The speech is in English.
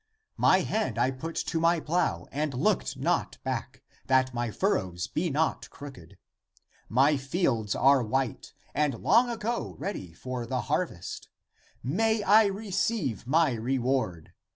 My hand I put to my plow and looked not back, that my furrows be not crooked. My fields are white and long ago ready for the harvest. May I receive my reward!